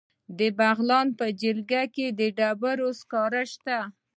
د بغلان په جلګه کې د ډبرو سکاره شته.